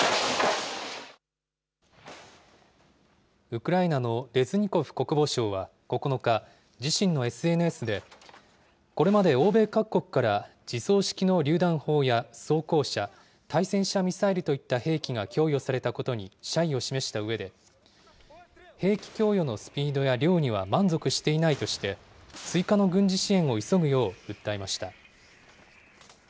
ウクライナのレズニコフ国防相は９日、自身のＳＮＳで、これまで欧米各国から自走式のりゅう弾砲や装甲車、対戦車ミサイルといった兵器が供与されたことに謝意を示したうえで、兵器供与のスピードや量には満足していないとして、追加の軍事支援を急ぐよう訴えました。